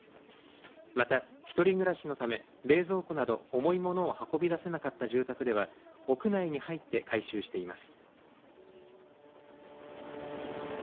また１人暮らしのため冷蔵庫など重いものを運び出せなかった住宅では屋内に入って回収しています。